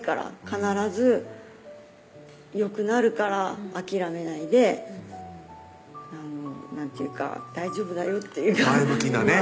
「必ずよくなるから諦めないで」なんていうか「大丈夫だよ」っていうか前向きなね